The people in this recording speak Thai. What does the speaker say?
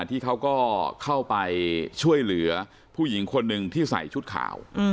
ที่เขาก็เข้าไปช่วยเหลือผู้หญิงคนหนึ่งที่ใส่ชุดขาว